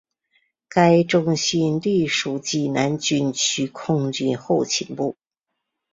该中心隶属济南军区空军后勤部。